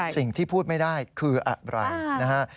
สิ่งที่พูดไม่ได้คืออะไรนะฮะ